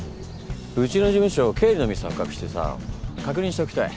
うちの事務所経理のミス発覚してさ確認しときたい。